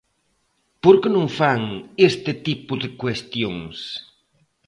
¿Por que non fan este tipo de cuestións?